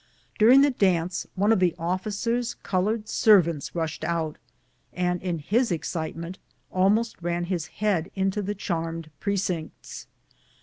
During the dance one of the ofiicers' colored servants rushed out, and in his excitement almost ran his head into the charmed precincts.